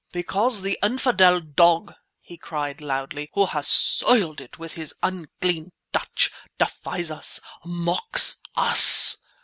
"Because the infidel dog," he cried loudly, "who has soiled it with his unclean touch, defies us—mocks us!